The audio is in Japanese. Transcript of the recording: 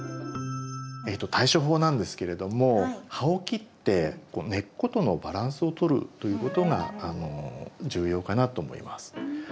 対処法なんですけれども葉を切って根っことのバランスをとるということが重要かなと思います。